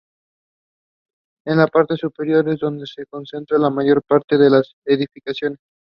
En la parte superior es donde se concentra la mayor parte de las edificaciones.